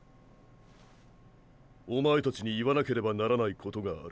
おまえたちに言わなければならないことがる。